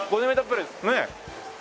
ねえ。